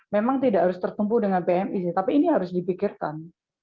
memang tidak harus tertumpu dengan pmi sih tapi ini harus dipikirkan